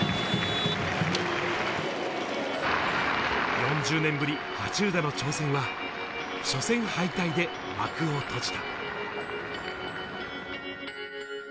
４０年ぶり羽中田の挑戦は、初戦敗退で幕を閉じた。